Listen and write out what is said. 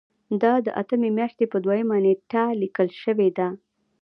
دا د اتمې میاشتې په دویمه نیټه لیکل شوې ده.